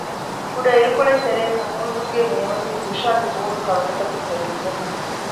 ކުޑަ ޢިރުކޮޅެއްތެރޭ ހަމޫދްގެ މޭމަތި ލޫޝާގެ ހޫނު ކަރުނަތަކުން ތެމިއްޖެ